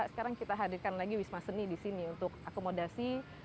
sekarang kita hadirkan lagi wisma seni di sini untuk akomodasi